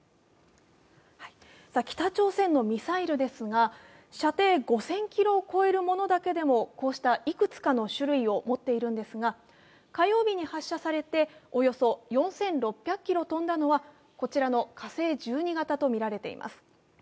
北朝鮮のミサイルですが射程５０００ｋｍを超えるものだけでもこうしたいくつかの種類を持っているんですが火曜日に発射されておよそ４６００ｋｍ飛んだのはこちらの火星１２型とみられています。